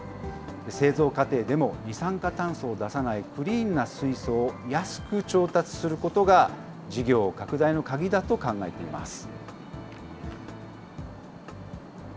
製造過程でも二酸化炭素を出さないクリーンな水素を安く調達することが事業拡大の鍵だと考えています。